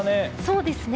そうですね。